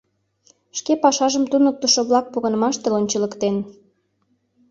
Шке пашажым туныктышо-влак погынымаште лончылыктен.